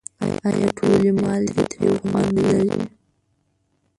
آیا ټولې مالګې تریو خوند لري؟